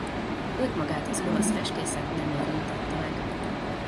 Őt magát az olasz festészet nem érintette meg.